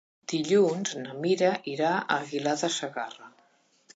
Dilluns na Mira irà a Aguilar de Segarra.